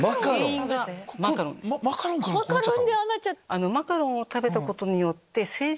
マカロンでああなっちゃう⁉